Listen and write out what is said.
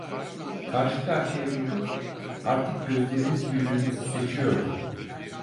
Karşı karşıya durduk, artık gözlerimiz birbirimizi seçiyordu.